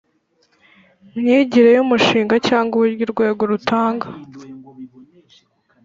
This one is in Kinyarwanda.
Myigire y umushinga cyangwa uburyo urwego rutanga